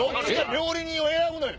料理人を選ぶのよ。